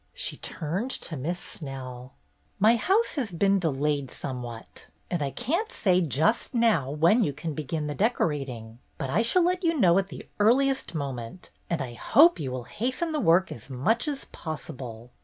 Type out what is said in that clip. She turned to Miss Snell. • ''My house has been delayed somewhat, and I can't say just now when you can begin the decorating, but I shall let you know at the earliest moment, and I hope you will hasten the work as much as possible."